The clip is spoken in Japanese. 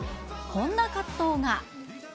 こんな葛藤が。